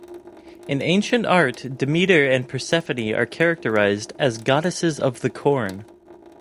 In ancient art, Demeter and Persephone are characterized as goddesses of the corn.